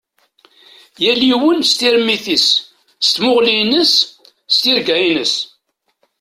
Yal yiwen s tirmit-is, s tmuɣli-ines, s tirga-ines.